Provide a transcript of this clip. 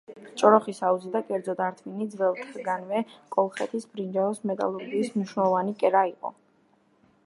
ჭოროხის აუზი და, კერძოდ, ართვინი ძველთაგანვე კოლხეთის ბრინჯაოს მეტალურგიის მნიშვნელოვანი კერა იყო.